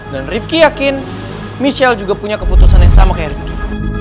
dan rifki yakin michelle juga punya keputusan yang sama kayak rifki